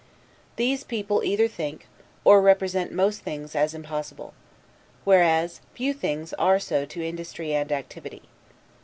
These people either think, or represent most things as impossible; whereas, few things are so to industry and activity.